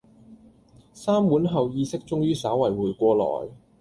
三碗後意識終於稍為回過來